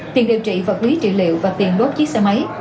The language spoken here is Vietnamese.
tiền điều trị vật quý trị liệu và tiền đốt chiếc xe máy